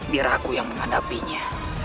biar aku yang menghadapinya